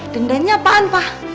dendamnya apaan pa